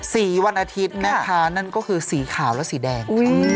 วันอาทิตย์แม่ค้านั่นก็คือสีขาวและสีแดง